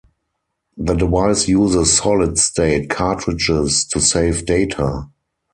The device uses solid state cartridges to save data.